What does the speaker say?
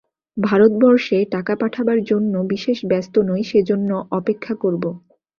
ভারতবর্ষে টাকা পাঠাবার জন্য বিশেষ ব্যস্ত নই, সেজন্য অপেক্ষা করব।